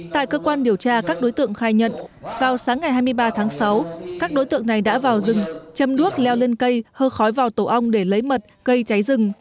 tại cơ quan điều tra các đối tượng khai nhận vào sáng ngày hai mươi ba tháng sáu các đối tượng này đã vào rừng châm đuốc leo lên cây hơ khói vào tổ ong để lấy mật gây cháy rừng